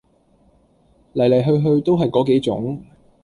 黎黎去去都係果幾種